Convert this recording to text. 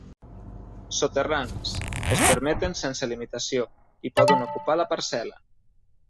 Soterranis: es permeten sense limitació, i poden ocupar la parcel·la.